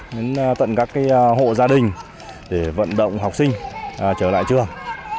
đến tận các hộ gia đình để vận động học sinh trở lại trường